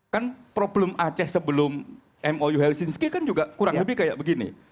kan problem aceh sebelum mou helizinski kan juga kurang lebih kayak begini